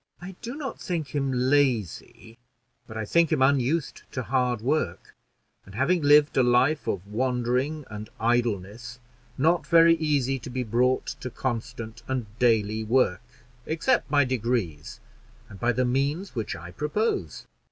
"I do not think him lazy, but I think him unused to hard work, and having lived a life of wandering and idleness, not very easy to be brought to constant and dayly work, except by degrees, and by the means which I propose.